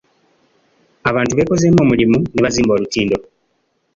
Abantu beekozeemu omulimu ne bazimba olutindo.